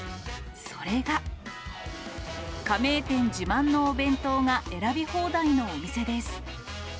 それが、加盟店自慢のお弁当が選び放題のお店です。